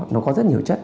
nó có rất nhiều chất